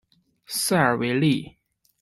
塞尔维利。